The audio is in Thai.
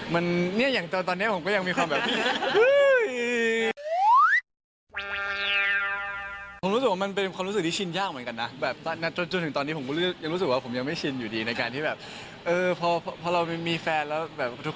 มันเนี่ยอย่างตอนนี้ผมก็ยังมีความแบบ